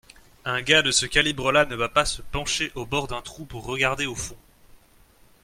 un gars de ce calibre-là ne va pas se pencher au bord d’un trou pour regarder au fond